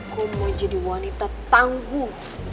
gue mau jadi wanita tangguh